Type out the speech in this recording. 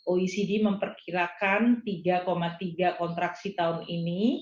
oecd memperkirakan tiga tiga kontraksi tahun ini